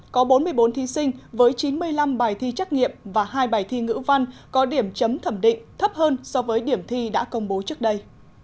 có bốn mươi bốn thí sinh với chín mươi năm bài thi trắc nghiệm và hai bài thi ngữ văn có điểm chấm thẩm định thấp hơn so với điểm thi đã công bố trước đây